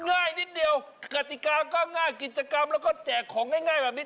ง่ายนิดเดียวกติกาก็ง่ายกิจกรรมแล้วก็แจกของง่ายแบบนี้